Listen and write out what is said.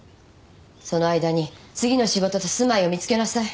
その間に次の仕事と住まいを見つけなさい